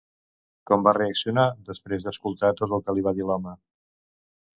Com va reaccionar després d'escoltar tot el que li va dir l'home?